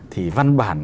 thì văn bản